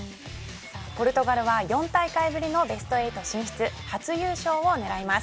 ポルトガルは４大会ぶりのベスト８進出初優勝を狙います。